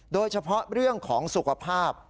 โดยเฉพาะเรื่องของสุขภาพ